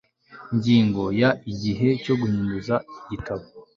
ingingo ya igihe cyo guhinduza mu gitabo